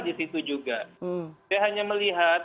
disitu juga saya hanya melihat